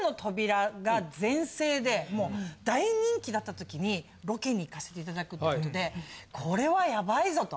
もう大人気だった時にロケに行かせて頂くってことでこれはヤバいぞと。